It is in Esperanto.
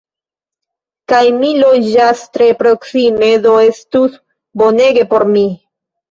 Kaj mi loĝas tre proksime! Do estus bonege por mi!